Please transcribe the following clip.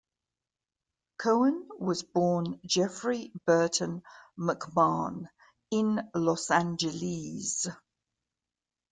Cohen was born Jeffrey Bertan McMahon in Los Angeles.